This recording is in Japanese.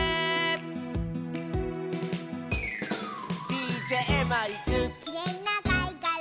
「ＤＪマイク」「きれいなかいがら」